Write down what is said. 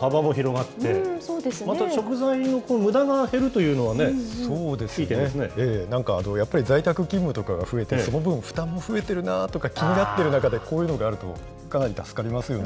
また食材のむだが減るというのはね、なんかやっぱり在宅勤務が増えて、その分、負担も増えてるなとか、気になってる中で、こういうのがあると、かなり助かりますよね。